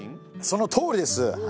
そのとおりです。